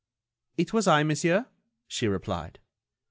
"It was I, monsieur," she replied.